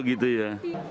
oh gitu ya